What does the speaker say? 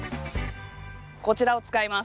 こちらを使います。